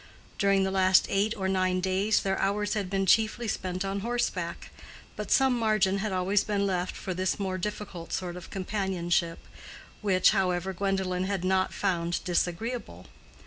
During the last eight or nine days their hours had been chiefly spent on horseback, but some margin had always been left for this more difficult sort of companionship, which, however, Gwendolen had not found disagreeable.